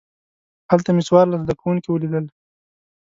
هلته مې څوارلس زده کوونکي ولیدل.